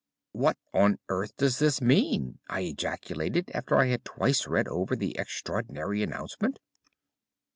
"What on earth does this mean?" I ejaculated after I had twice read over the extraordinary announcement.